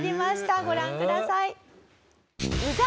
ご覧ください。